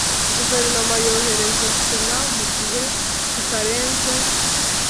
Guverinoma yoherereza sena mu gihe kitarenze